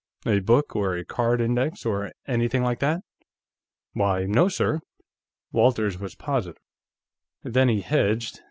A book, or a card index, or anything like that?" "Why no, sir." Walters was positive. Then he hedged.